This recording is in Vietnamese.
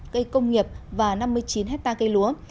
cây công nghiệp và năm mươi chín hectare cây lúa